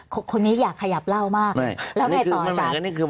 คนนี้อยากขยับเล่ามาก